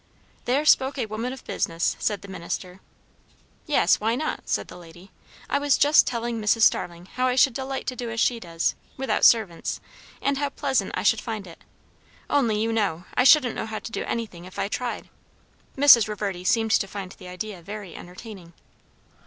"There spoke a woman of business!" said the minister. "Yes, why not?" said the lady. "I was just telling Mrs. Starling how I should delight to do as she does, without servants, and how pleasant I should find it; only, you know, I shouldn't know how to do anything if I tried." Mrs. Reverdy seemed to find the idea very entertaining.